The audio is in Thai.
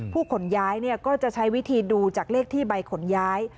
ขนย้ายก็จะใช้วิธีดูจากเลขที่ใบขนย้าย